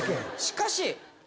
しかし。